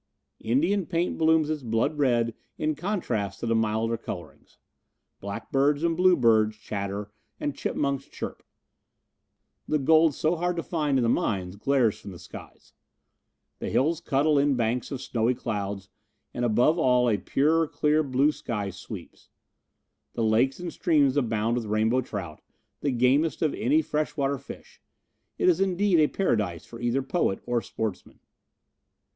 Indian paint blooms its blood red in contrast to the milder colorings. Blackbirds and bluebirds chatter and chipmunks chirp. The gold so hard to find in the mines glares from the skies. The hills cuddle in banks of snowy clouds, and above all a pure clear blue sky sweeps. The lakes and streams abound with rainbow trout, the gamest of any fresh water fish. It is indeed a paradise for either poet or sportsman.